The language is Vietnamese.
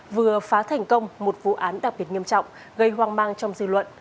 vừa phá thành công một vụ án đặc biệt nghiêm trọng gây hoang mang trong dư luận